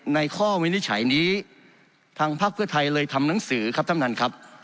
ข้อวินิจฉัยนี้ทางภาคเพื่อไทยเลยทำหนังสือครับท่านท่านครับ